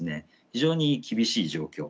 非常に厳しい状況